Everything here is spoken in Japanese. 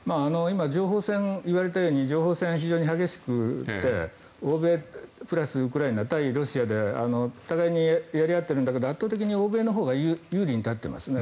今、言われたように情報戦が非常に激しくて欧米プラスウクライナ対ロシアで互いにやり合っているんだけど圧倒的に欧米のほうが有利に立っていますね。